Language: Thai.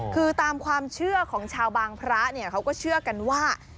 คือตามความเชื่อของชาวบางพระเนี่ยเขาก็เชื่อกันว่า